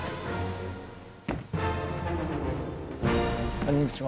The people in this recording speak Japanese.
こんにちは。